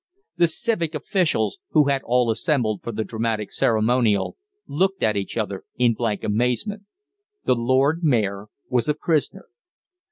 The civic officials, who had all assembled for the dramatic ceremonial, looked at each other in blank amazement. The Lord Mayor was a prisoner!